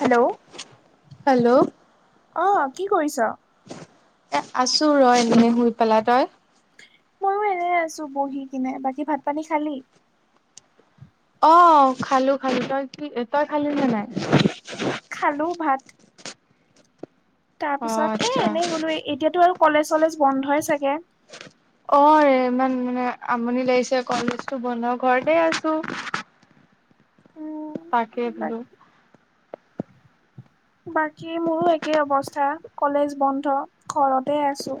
Hello. Hello. অ', কি কৰিছ? এ আছো ৰ' এনে শুই পেলাই, তই? মইও এনে আছো বহি কিনে, বাকী ভাত পানী খালি? অ', খালো, খালো। তই কি তই খালি নে নাই? খালো ভাত। তাৰ অ পিছত এ আচ্ছা এনেই শুলো, এতিয়াতো আৰু কলেজ চলেজ বন্ধই চাগে। অ', ৰে ইমান মানে আমনি লাগিছে কলেজটো বন্ধ, ঘৰতে আছো। উম তাকে বোলো। বাক- বাকী মোৰো একেই অৱস্থা, কলেজ বন্ধ ঘৰতে আছো।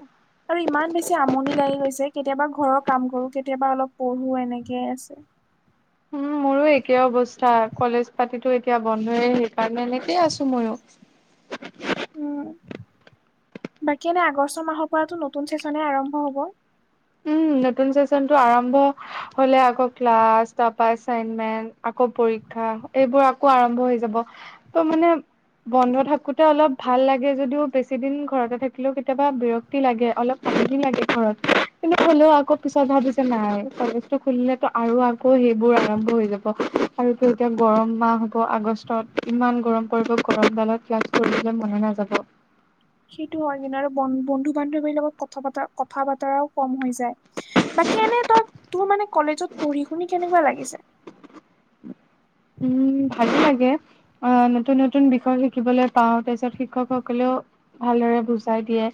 আৰু ইমান বেছি আমনি লাগি গৈছে, কেতিয়াবা ঘৰৰ কাম কৰো, কেতিয়াবা অলপ পঢ়ো এনেকে আছে। উম মোৰো একে অৱস্থা, কলেজ পাতিতো এতিয়া বন্ধয়ে। সেইকাৰণে, এনেকেই আছো মইও। [inaudible] উম, বাকী এনে আগষ্ট মাহৰ পৰাটো নতুন চেচনে আৰম্ভ হ'ব। উম, নতুন চেচনটো আৰম্ভ হলে আকৌ ক্লাছ তাৰপা এচাইনমেন্ট আকৌ পৰীক্ষা, এইবোৰ আকৌ আৰম্ভ হৈ যাব ত' মানে বন্ধ থাকোতে অলপ ভাল লাগে যদিও বেছি দিন ঘৰতে থাকিলেও কেতিয়াবা বিৰক লাগে, অলপ পালি লাগে ঘৰত। কিন্ত হ'লেও আকৌ পিছত ভাবি যে নাই কলেজটো খুলিলে আৰু আকৌ সেইবোৰ আৰম্ভ হৈ যাব। আৰুতো এতিয়া গৰম মাহ হ'ব, আগষ্টত ইমান গৰম পৰিব, গৰমডালত ক্লাছ কৰিবলৈ মনে নাযাব। সেইটো হয় জানো, আৰু ব-বন্ধু বান্ধৱীৰ লগত কথা বা কথা বতৰাও কম হৈ যায়। বাকী এনে তই তোৰ মানে কলেজত পঢ়ি শুনি কেনেকুৱা লাগিছে? উম, ভালে লাগে। আ, নতুন নতুন বিষয় শিকিবলৈ পাও তাৰপিছত শিক্ষকসকলেও ভালদৰে বুজাই দিয়ে।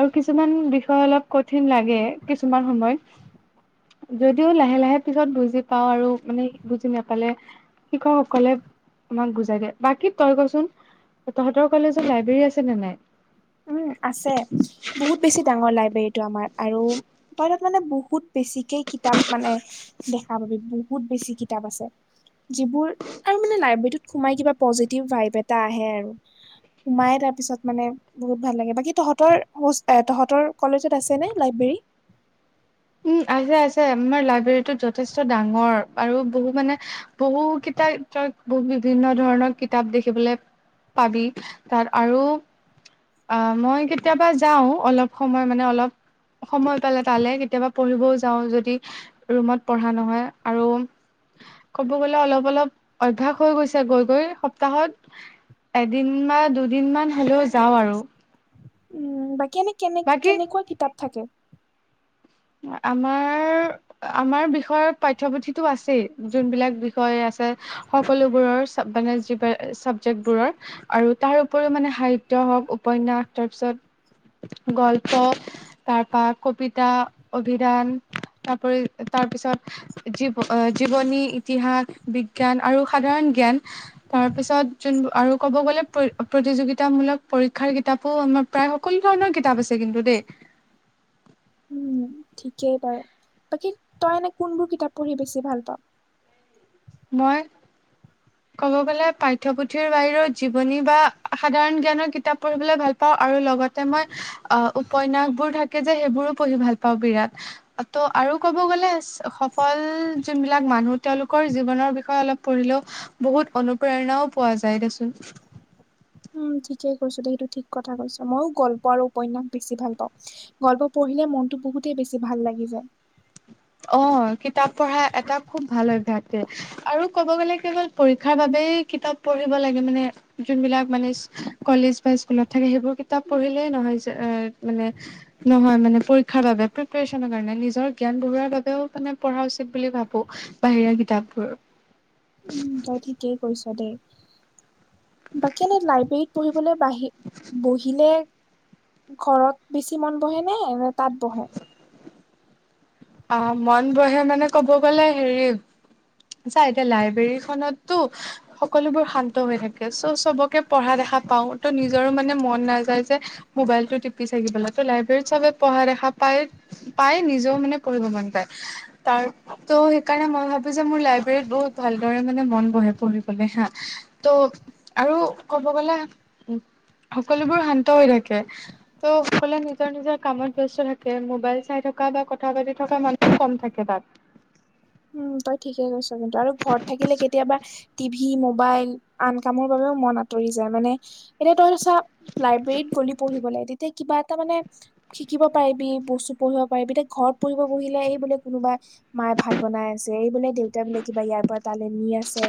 আৰু কিছুমান বিষয় অলপ কঠিন লাগে কিছুমান সময়ত। যদিও লাহে লাহে পিছত বুজি পাওঁ আৰু মানে বুজি নাপালে শিক্ষকসকলে আমাক বুজাই দিয়ে। বাকী তই কচোন? তহঁতৰ কলেজত লাইব্ৰেৰী আছে নে নাই? উম, আছে বহুত বেছি ডাঙৰ লাইব্ৰেৰীটো আমাৰ আৰু তই তাত মানে বহুত বেছিকে কিতাপ মানে দেখা পাবি, বহুত বেছি কিতাপ আছে। যিবোৰ আৰু মানে লাইব্ৰেৰীত সোমাই কিবা পজিটিভ ভাইভ এটা আহে আৰু। সোমাই তাৰপিছত মানে বহুত ভাল লাগে। বাকী তহঁতৰ এ, তহঁতৰ কলেজত আছেনে লাইব্ৰেৰী? উম, আছে আছে। আমাৰ লাইব্ৰেৰীটো যথেষ্ট ডাঙৰ আৰু বহু মানে বহু কিতাই বহু বিভিন্ন ধৰণৰ কিতাপ দেখিবলৈ পাবি তাত আৰু অ' মই কেতিয়াবা যাওঁ, অলপ সময় মানে অলপ সময় পালে তালে কেতিয়াবা পঢ়িবও যাওঁ যদি ৰুমত পঢ়া নহয় আৰু ক'ব গ'লে অলপ অলপ অভ্যাস হৈ গৈছে গৈ গৈ, সপ্তাহত এদিন বা দুদিনমান হ'লেও যাওঁ আৰু। উম, বাকী এনে কেনে বাকী কেনেকুৱা কিতাপ থাকে? আমাৰ আমাৰ বিষয়ত পাঠ্যপুথিতো আছেই, যোনবিলাক বিষয় আছে সকলোবোৰৰ মানে যিবোৰ চাবজেক্টবোৰৰ আৰু তাৰ উপৰিও মানে সাহিত্য হওক, উপন্যাস, তাৰপিছত গল্প তাৰপা কবিতা অভিধান তাৰউপৰি, তাৰপিছত জীৱ-জীৱনী, ইতিহাস, বিজ্ঞান আৰু সাধাৰণ জ্ঞান তাৰপিছত যোন আৰু ক'ব গ'লে প্ৰতি-প্ৰতিযোগিতামূলক পৰীক্ষাৰ কিতাপো আমাৰ প্ৰায় সকলো ধৰণৰ কিতাপ আছে কিন্তু দেই। উম, ঠিকেই বাৰু, বাকী তই এনে কোনবোৰ কিতাপ পঢ়ি বেছি ভাল পাওঁ? মই ক'ব গলে পাঠ্যপুথিৰ বাহিৰেও জীৱনী বা সাধাৰণ জ্ঞানৰ কিতাপ পঢ়িবলৈ ভাল পাওঁ আৰু লগতে মই আ, উপন্যাসবোৰ থাকে যে সেইবোৰো পঢ়ি ভাল পাওঁ বিৰাট। ত' আৰু ক'ব গ'লে সফল যোনবিলাক মানুহ তেওঁলোকৰ জীৱনৰ বিষয়ে অলপ পঢ়িলেও বহুত অনুপ্ৰেৰণাও পোৱা যায় দেচোন। উম, ঠিকে কৈছ দে, সেইটো ঠিক কথা কৈছ। ময়ো গল্প আৰু উপন্যাস বেছি ভাল পাওঁ। গল্প পঢ়িলে মনটো বহুতেই বেছি ভাল লাগি যায়। অ' কিতাপ পঢ়া এটা খুব ভাল অভ্যাস দে। আৰু ক'ব গ'লে কেৱল পৰীক্ষাৰ বাবেই কিতাপ পঢ়িব লাগে মানে যোনবিলাক মানে কলেজ বা স্কুলত থাকে সেইবোৰ কিতাপ পঢ়িলেই নহয় যে মানে নহয় মানে পৰীক্ষাৰ বাবে প্ৰিপ্যচনৰ কাৰণে নিজৰ জ্ঞান বহুৱাৰ বাবেও মানে পঢ়া উচিত বুলি ভাবোঁ বাহিৰা কিতাপবোৰৰ। উম তই ঠিকেই কৈছ দে। বাকী এনে, লাইব্ৰেৰীত পঢ়িবলৈ বাহি বহিলে ঘৰত বেছি মন বহে নে, নে তাত বহে? অ', মন বহে মানে কব গলে, হেৰি চা এতিয়া লাইব্ৰেৰী খনতটো সকলোবোৰ শান্ত হৈ থাকে, চ' চবকে পঢ়া দেখা পাওঁ। ত' নিজৰো মানে মন নাযায় যে ম'বাইলটো টিপি চাই থাকিবলৈ, ত' লাইব্ৰেৰীত চবে পঢ়া দেখা পাই, পাই নিজেও মানে পঢ়িব মন যায়, তাৰ ত' সেইকাৰণে মই ভাবো যে মোৰ লাইব্ৰৰীত বহুত ভালদৰে মানে মন বহে, পঢ়িবলৈ হা। ত' আৰু ক'ব গলে, সকলোবোৰ শান্ত হৈ থাকে। ত' সকলোৱে নিজৰ নিজৰ কামত ব্যস্ত থাকে, ম'বাইল চাই থকা বা ক কথা পাতি থকা মানুহ কম থাকে তাত। উম, তই ঠিকে কৈছ কিন্তু, আৰু ঘৰত থাকিলে কেতিয়াবা টিভি ম'বাইল আন কামৰ বাবেও মন আঁতৰি যায়, মানে এতিয়া তহঁতে চা লাইব্ৰেৰীত গ'লি পঢ়িবলে, তেতিয়া কিবা এটা মানে শিকিব পাৰিবি, বস্তু পঢ়িব পাৰিবি, তই ঘৰত পঢ়িব বহিলে এই বোলে কোনোবা মায়ে ভাত বনাই আছে, এই বোলে দেউতাই বোলে কিবা ইয়াৰ পৰা তালৈ নি আছে।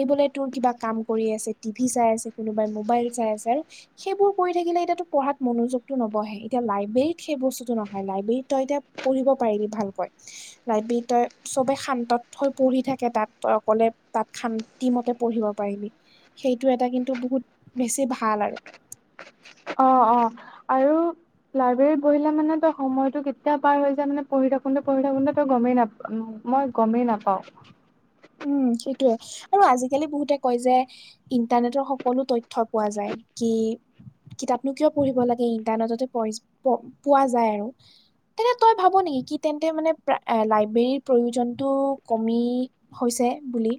এইবোলে তোৰ কিবা কাম কৰি আছে, টিভি চাই আছে, কোনোবাই মোবাইল চাই আছ সেইবোৰ কৰি থাকিলে এতিয়াতো পঢ়াত মনোযোগটো নবহেই, এতিয়া লাইব্ৰেৰীত সেই বস্তুটো নহয়। লাইব্ৰেৰীত তই এতিয়া পঢ়িব পাৰিবি ভালকৈ, লাইব্ৰেৰীত তই চবে শান্তত হৈ পঢ়ি থাকে তাত, তই অকলে তাত শান্তি মতে পঢ়িব পাৰিবি। সেইটো এটা কিন্তু, বহুত বেছি ভাল আৰু। অ', অ', আৰু লাইব্ৰেৰীত বহিলে মানে তই সময়টো কেতিয়া পাৰ হয় যায় মানে পঢ়ি থাকোতে, পঢ়ি থাকোনতে তই গমেই নাপ মই গমেই নাপাও। উম, সেইটোয়ে আৰু আজিকালি বহুতে কয় যে ইণ্টাৰনেটৰ সকলো তথ্য পোৱা যায়, কি কিতাপনো কিয় পঢ়িব লাগে, ইণ্টাৰনেটতে প-পোৱা যায় আৰু। তেন্ত তই ভাব নেকি, কি তেন্তে মানে লাইব্ৰেৰীৰ প্ৰয়োজনটো কমি হৈছে বুলি।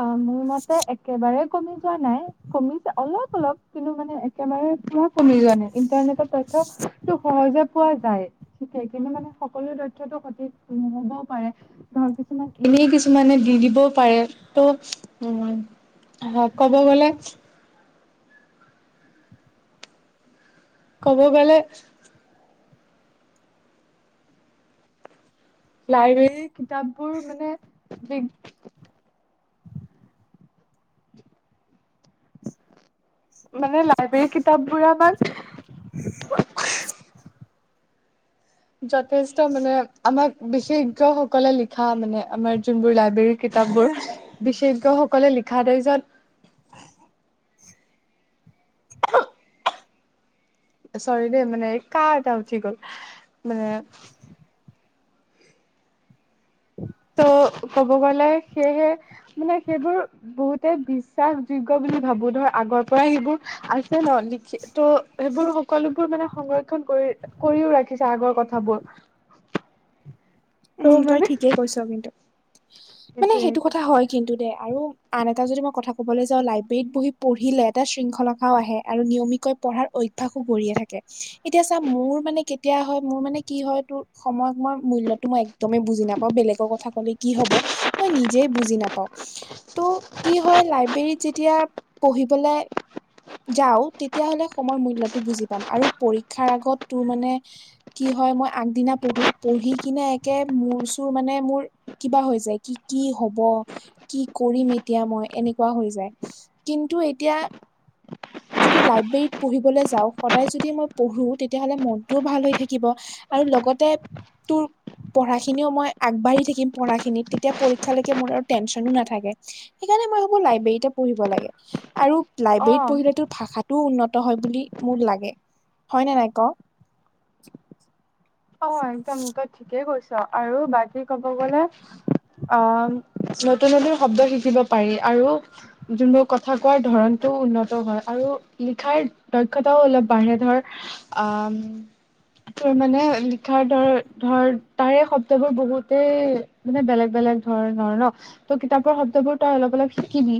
অ', মোৰ মতে একেবাৰে কমি যোৱা নাই, কমিছে অলপ অলপ। কিন্তু, মানে একেবাৰে কমি যোৱা নাই, ইণ্টাৰনেটত তথ্য টো সহজে পোৱা যায়। [unintelligible] মানে, সকলো তথ্যটো সঠিক নহ'বও পাৰে। ধৰা কিছুমান, এনেই কিছুমানে দি দিবও পাৰে। ত' উম, ক'ব গ'লে ক'ব গ'লে লাইব্ৰেৰীৰ কিতাপ বোৰ মানে [inaudible] মানে লাইব্ৰেৰ কিতাপ বুৰ [inaudible] যথেষ্ট মানে আমাক বিশেজ্ঞ সকলে লিখা মানে, আমাৰ যোনবোৰ লাইব্ৰেৰী কিতাপ বোৰ, বিশেজ্ঞ সকলে লিখা তাৰপিছত চৰি দেই মানে, এ কাহ এটা উঠি গল মানে ত' ক'ব গলে সেয়েহে, মানে সেইবোৰ বহুতে বিশ্বাসযোগ্য বুলি ভাবো, ধৰ আগৰ পৰা সেইবোৰ আছে ন লিখি ত' সেইবোৰ সকলোবোৰ মানে সংৰক্ষণ কৰি কৰিও ৰাখিছে, আগৰ কথাবোৰ। উম, ত' তই মানে ঠিকেই কৈছ কিন্তু মানে এইটোৱে সেইটো এইটো কথা হয়। কিন্তু দে, আৰু আন এটা যদি মই কথা কবলৈ যাওঁ লাইব্ৰেৰীত বহি পঢ়িলে এটা শৃংখলাখাও আহে আৰু নিয়মিত কৈ পঢ়াৰ অভ্যাসো গঢ়ি থাকে, এতিয়া চা মোৰ মানে কেতিয়া হয় মোৰ মানে কি হয় তোৰ সময়ত মই, মূল্যটো মই এক একদমে বুজি নাপাও, বেলেগৰ কথা কলে কি হব তই নিজে বুজি নাপাওঁ। ত' কি হয়, লাইব্ৰেৰীত যেতিয়া পঢ়িবলে যাওঁ, তেতিয়া হ'লে সময়ৰ মূল্যটো বুজি পাম, আৰু পৰীক্ষাৰ আগত তোৰ মানে কি হয়, মই আগদিনা পঢ়ো। পঢ়ি কিনে কে মোৰ-চোৰ মানে মোৰ কিবা হৈ যায়। কি কি হব কি কৰিম এতিয়া মই, এনেকুৱা হৈ যায়, কিন্তু এতিয়া যদি লাইব্ৰেৰীত পঢ়িবলৈ যাওঁ সদায় যদি মই পঢ়ো, তেতিয়া হ'লে মনটোও ভাল হৈ থাকিব। আৰু লগতে তোৰ পঢ়াখিনিও মই আগবাঢ়ি থাকিম পঢ়াখিনিত, তেতিয়া পৰীক্ষালৈকে মোৰ আৰু টেনশ্যনো নাথাকে। সেইকাৰণে মই ভাবো লাইব্ৰেৰীতে পঢ়িব লাগে। আৰু লাইব্ৰেৰীত অ' পঢ়িলতো ভাষাটোও উন্নত হয় বুলি মোৰ লাগে। হয়নে নাই ক? অ', একদম তই ঠিকেই কৈছ, আৰু বাকী কব গলে অ'। নতুন, নতুন শব্দ শিকিব পাৰি আৰু যোনবোৰ কথা কোৱাৰ ধৰণটো উন্নত হয়, আৰু লিখাৰ দক্ষতাও অলপ বাঢ়ে ধৰ আম তোৰ মানে [unintelligible] ধৰ তাৰে শব্দবোৰ বহুতেই মানে বেলেগ-বেলেগ ধৰণৰ ন। ত', কিতাপৰ শব্দবোৰ তই অলপ-অলপ শিকিবি।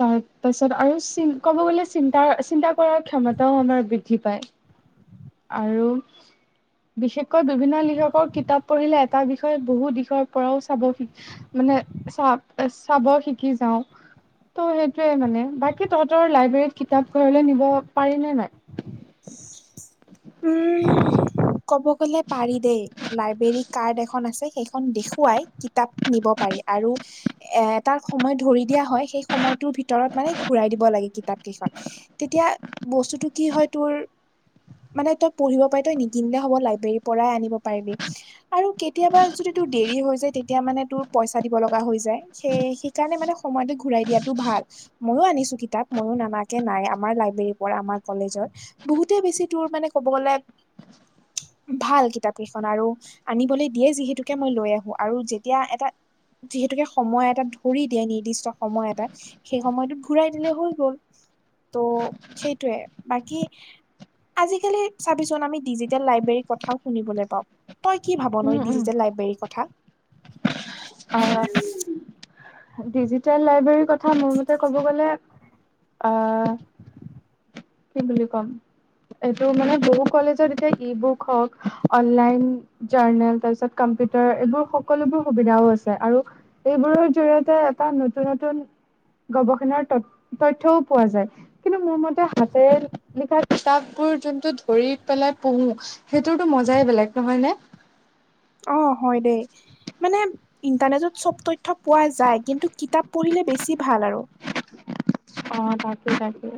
তাৰপাছত আৰু চিন ক'ব গ'লে চিন্তা, চিন্তা কৰাৰ ক্ষমতাও আমাৰ বৃদ্ধি পায়। [inaudible] আৰু বিশেষকৈ বিভিন্ন লিখকৰ কিতাপ পঢ়িলে এটা বিষয় বহু দিশৰ পৰাও চাব শিক মানে চা চাব শিকি যাওঁ। ত' সেইটোয়ে মানে, বাকী তহঁতৰ লাইব্ৰেৰীত কিতাপ ঘৰলৈ নিব পাৰি নে নাই? উম, ক'ব গ'লে পাৰি দেই লাইব্ৰেৰী কাৰ্ড এখন আছে। সেইখন দেখুৱাই তাপ নিব পাৰি আৰু এ এটা সময় ধৰি দিয়া হয় সেই সময়ত ত' ভিতৰত মানে ঘূৰাই দিব লাগে কিতাপ কেইখন, তেতিয়া বস্তুটো কি হয় তোৰ মানে তই পঢ়িব পাই তই নিকিনিলে হ'ব লাইব্ৰেৰীৰ পৰাই আনিব পাৰিবি। আৰু কেতিয়াবা যদি তোৰ দেৰি হৈ যায়, তেতিয়া মানে তোৰ পইচা দিব লগা হৈ যায়। সেই সেইকাৰণে মানে সময়টো ঘূৰাই দিয়াটো ভাল। মইয়ো আনিছো কিতাপ মইয়ো নানাকে নাই, আমাৰ লাইব্ৰেৰীৰ পৰা আমাৰ কলেজৰ, বহুতে বেছি তোৰ মানে ক'ব গ'লে ভাল, কিতাপ কেইখন আৰু আনিবলৈ দিয়ে যিহেতুকে মই লৈ আহো, আৰু যেতিয়া এটা যিহেতুকে সময় এটাত ধৰি দিয়ে, নিৰ্দিষ্ট সময় এটাত সেই সময়টোত ঘূৰাই দিলে হৈ গ'ল। ত' সেইটোৱে বাকী আজিকালি চাবিচোন আমি ডিজিটেল লাইব্ৰেৰীৰ কথাও শুনিবলৈ পাওঁ। তই কি ভাবনো উম উম ডিজিটেল লাইব্ৰেৰীৰ কথা? অ', ডিজিটেল লাইব্ৰেৰীৰ কথা মোৰ মতে ক'ব গলে অ'। [inaudible] কি বুলি কম। এইটো মানে বহু কলেজত এতিয়া ই-বুক হওঁক, অনলাইন জাৰ্নেল তাৰপিছত কম্পিউটাৰ এইবোৰ সকলোবোৰ সুবিধাও আছে। আৰু এইবোৰৰ জৰিয়তে এটা নতুন, নতুন গৱেষণাৰ তত তথ্যও পোৱা যায়। কিন্তু মোৰ মতে হাতেৰে লিখা কিতাপবোৰ যোনটো ধৰি পেলাই পঢ়ো সেইটোতো মজাই বেলেগ নহয় নে? অ', হয় দেই। মানে ইণ্টাৰনেটত চব তথ্য পোৱা যায়, কিন্তু কিতাপ পঢ়িলে বেছি ভাল আৰু। অ' তাকে তাকে।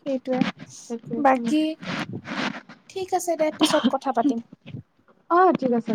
সেইটোৱে, সেইটোৱে বাকী ঠিক আছে দে পিছত কথা পাতিম। অঁ' ঠিক আছে।